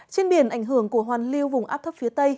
trên biển ảnh hưởng của hoàn lưu vùng áp thấp phía tây